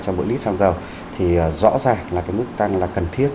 cho một lít xăng dầu thì rõ ràng là cái mức tăng là cần thiết